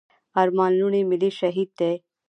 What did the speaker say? ارمان لوڼي ملي شهيد دی.